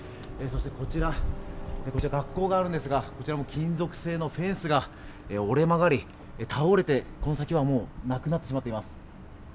そしてこちら、学校があるんですが、こちらも金属製のフェンスが折れ曲がり、倒れてこの先はもうなくなってしまっています。